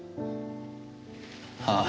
ああ。